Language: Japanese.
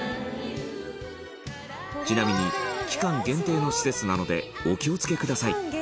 ちなみに期間限定の施設なのでお気を付けください